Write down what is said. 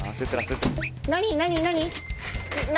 何？